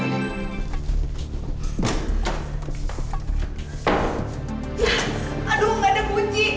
aduh ngga ada kunci